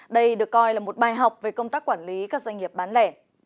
đây được coi là một bài học về công tác quản lý các doanh nghiệp bán lẻ